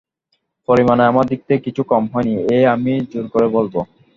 পরিমাণে আমার দিক থেকে কিছু কম হয় নি এ আমি জোর করে বলব।